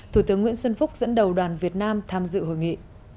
thủ tướng nguyễn xuân phúc dẫn đầu đoàn việt nam tham dự hội nghị